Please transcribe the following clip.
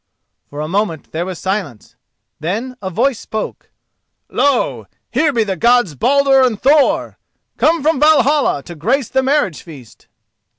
For a moment there was silence. Then a voice spoke: "Lo! here be the Gods Baldur and Thor!—come from Valhalla to grace the marriage feast!"